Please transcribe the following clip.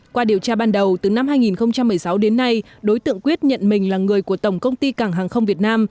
qua điều tra ban đầu từ năm hai nghìn một mươi sáu đến nay đối tượng quyết nhận mình là người của tổng công ty cảng hàng không việt nam